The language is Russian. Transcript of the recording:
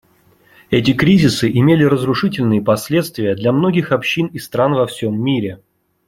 Эти кризисы имели разрушительные последствия для многих общин и стран во всем мире.